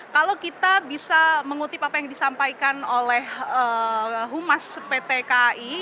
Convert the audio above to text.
kalau kita bisa mengutip apa yang disampaikan oleh humas pt kai